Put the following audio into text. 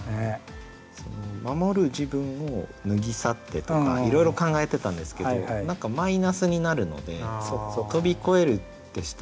「守る自分を脱ぎ去って」とかいろいろ考えてたんですけど何かマイナスになるので「飛びこえる」ってしたいなっていう。